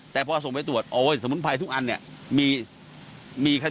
แต่พอส่งไปตรวจโอ้ยสมุนไพรทุกอันเนี่ยมีมีแค่